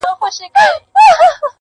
وه ه ته به كله زما شال سې .